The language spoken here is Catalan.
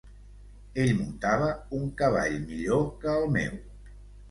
Ell muntava un cavall millor que el meu.